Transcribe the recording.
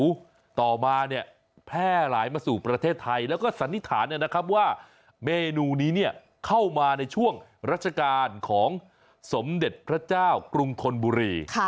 ต่อมาเนี่ยแพร่หลายมาสู่ประเทศไทยแล้วก็สันนิษฐานนะครับว่าเมนูนี้เนี่ยเข้ามาในช่วงรัชกาลของสมเด็จพระเจ้ากรุงธนบุรี